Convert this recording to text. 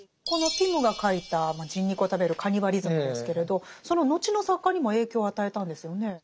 このピムが書いた人肉を食べるカニバリズムですけれどその後の作家にも影響を与えたんですよね？